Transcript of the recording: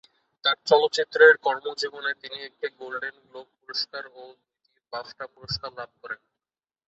তার চলচ্চিত্রের কর্মজীবনে তিনি একটি গোল্ডেন গ্লোব পুরস্কার ও দুটি বাফটা পুরস্কার লাভ করেন।